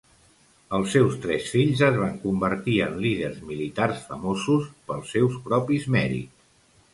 Els seus tres fills es van convertir en líders militars famosos pels seus propis mèrits.